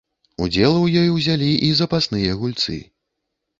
Удзел у ёй узялі і запасныя гульцы.